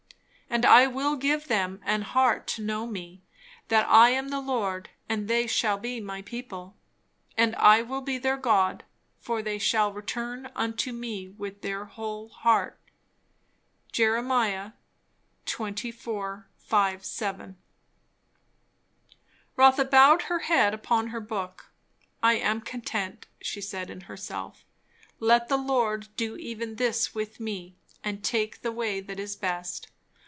And I will give them an heart to know me, that I am the Lord: and they shall be my people, and I will be their God: for they shall return unto me with their whole heart." Jer. xxiv. 5 7. Rotha bowed her head upon her book. I am content! she said in herself. Let the Lord do even this with me, and take the way that is best.